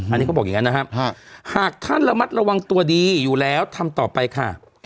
อันนี้เขาบอกอย่างนั้นนะครับหากท่านระมัดระวังตัวดีอยู่แล้วทำต่อไปค่ะ